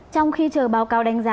trong khi chờ báo cáo đánh giá